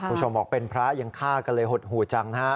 คุณผู้ชมบอกเป็นพระยังฆ่ากันเลยหดหู่จังนะฮะ